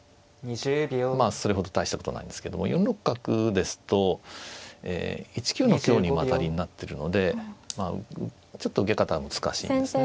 まあそれほど大したことはないんですけども４六角ですと１九の香にも当たりになってるのでちょっと受け方は難しいんですね。